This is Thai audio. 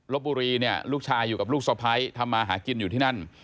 บุรีเนี่ยลูกชายอยู่กับลูกสะพ้ายทำมาหากินอยู่ที่นั่น